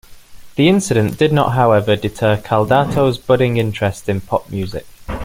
The incident did not however deter Caldato's budding interest in pop music.